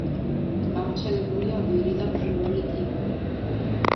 გავრცელებულია ვირი და ფრინველი კივი.